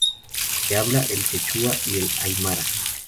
Se habla el quechua y el aymara.